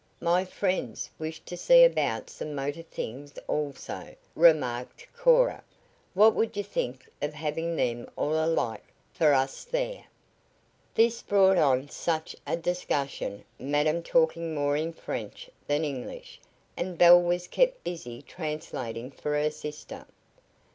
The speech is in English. "My friends wish to see about some motor things, also," remarked Cora. "What would you think of having them all alike for us there?" This brought on such a discussion, madam talking more in French than English, and Belle was kept busy translating for her sister.